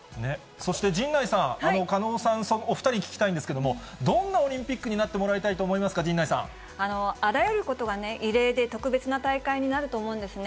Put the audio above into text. そして陣内さん、狩野さん、お２人に聞きたいんですけれども、どんなオリンピックになってもらあらゆることが異例で、特別な大会になると思うんですね。